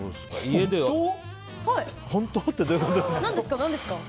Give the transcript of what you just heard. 本当？ってどういうことですか。